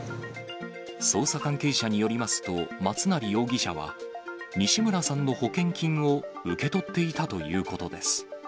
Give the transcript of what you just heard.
捜査関係者によりますと、松成容疑者は、西村さんの保険金を受け取っていたということです。